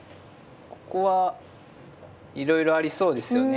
ここはいろいろありそうですよね。